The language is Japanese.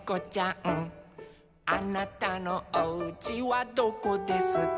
「あなたのおうちはどこですか」